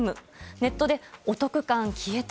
ネットで、お得感消えた。